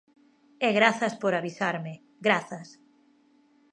E grazas por avisarme, grazas.